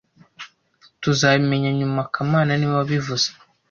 Tuzabimenya nyuma kamana niwe wabivuze